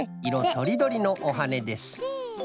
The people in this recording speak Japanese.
とりどりのおはねです。